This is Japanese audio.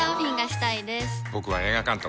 僕は映画監督。